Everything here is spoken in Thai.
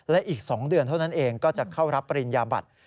และอีก๒เดือนเท่านั้นเองก็จะเข้ารับปริญญาบัตร